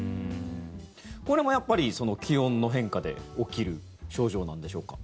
これもやっぱりその気温の変化で起きる症状なんでしょうか。